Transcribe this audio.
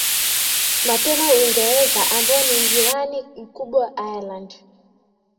mapema uingereza ambayo ni njirani mkubwa ireland